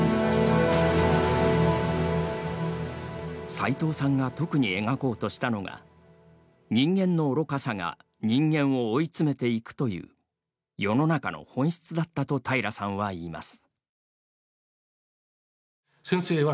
さいとうさんが特に描こうとしたのが「人間の愚かさが人間を追い詰めていく」という世の中の本質だったと平良さんは言います。